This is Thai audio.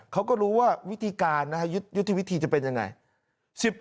เขาก็รู้ว่าวิธีการยุทธิวิธีจะเป็นอย่างไร